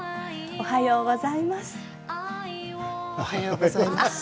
おはようございます。